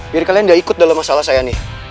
biar kalian gak ikut dalam masalah saya nih